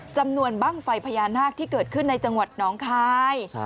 จำนวนบ้างไฟพญานาคที่เกิดขึ้นในจังหวัดน้องคาย